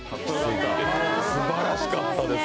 すばらしかったです。